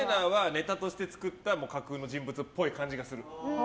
ネタとして作った架空の人物っぽい感じがする。